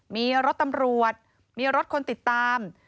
มีรถตำรวจมีรถคนติดตาม